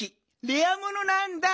レアものなんだ。